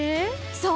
そう！